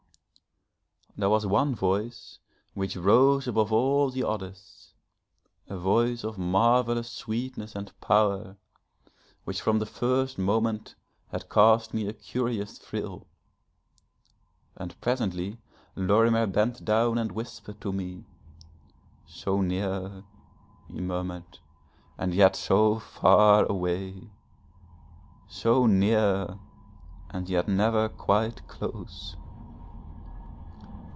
There was one voice which rose above all the others, a voice of marvellous sweetness and power, which from the first moment had caused me a curious thrill. And presently Lorimer bent down and whispered to me: 'So near,' he murmured, 'and yet so far away so near, and yet never quite close!'